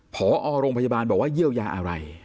พอโรงพยาบาลบอกว่าเยียวยาอะไร